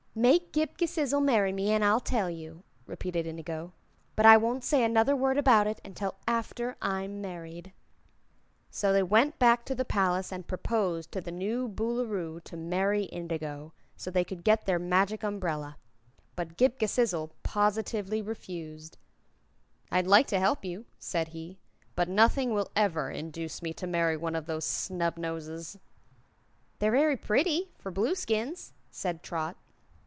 "Make Ghip Ghisizzle marry me, and I'll tell you," repeated Indigo. "But I won't say another word about it until after I am married." So they went back to the palace and proposed to the new Boolooroo to marry Indigo, so they could get their Magic Umbrella. But Ghip Ghisizzle positively refused. "I'd like to help you," said he, "but nothing will ever induce me to marry one of those snubnoses." "They're very pretty for Blueskins," said Trot.